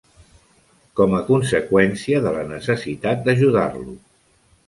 Com a conseqüència de la necessitat d"ajudar-lo.